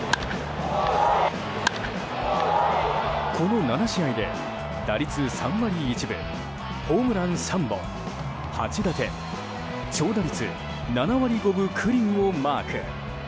この７試合で、打率３割１分ホームラン３本、８打点長打率７割５分９厘をマーク。